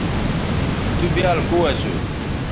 تُو بیال کو اسو